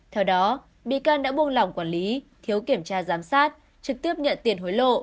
theo đó bị can đã buông lỏng quản lý thiếu kiểm tra giám sát trực tiếp nhận tiền hối lộ